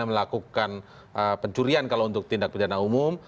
melakukan pencurian kalau untuk tindak pidana umum